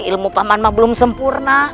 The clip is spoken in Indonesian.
ilmu paman mah belum sempurna